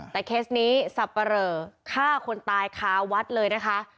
แต่เคสนี้สับปะเหลอฆ่าคนตายคาวัดเลยนะคะ